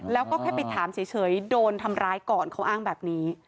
แล้วก็แค่ไปถามเฉยโดนทำร้ายก่อนเขาอ้างแบบนี้